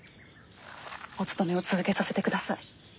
おつとめを続けさせてください。